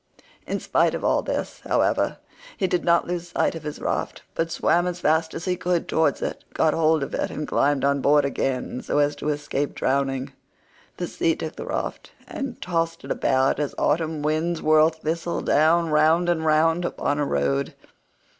In spite of all this, however, he did not lose sight of his raft, but swam as fast as he could towards it, got hold of it, and climbed on board again so as to escape drowning. The sea took the raft and tossed it about as Autumn winds whirl thistledown round and round upon a road.